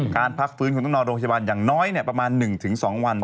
พักฟื้นคงต้องนอนโรงพยาบาลอย่างน้อยประมาณ๑๒วัน